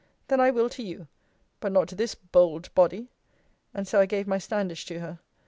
then I will to you; but not to this bold body. And so I gave my standish to her.